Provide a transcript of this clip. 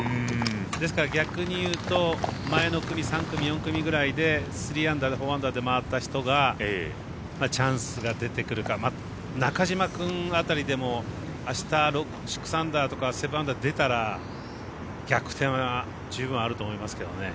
ですから逆に言うと前の組３組、４組ぐらいで３アンダー、４アンダーで回った人がチャンスが出てくるか中島君辺りでも明日６アンダーとか７アンダーとか出たら逆転は十分あると思いますけどね。